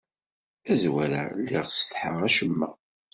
Tazwara lliɣ ssetḥaɣ acemma.